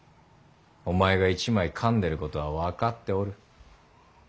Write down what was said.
お前が一枚かんでることは分かっておる。